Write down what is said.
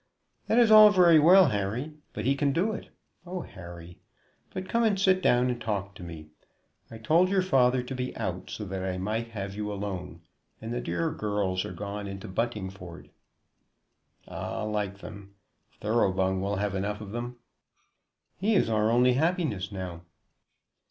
"That is all very well, Harry; but he can do it. Oh, Harry! But come and sit down and talk to me. I told your father to be out, so that I might have you alone; and the dear girls are gone into Buntingford." "Ah, like them! Thoroughbung will have enough of them." "He is our only happiness now."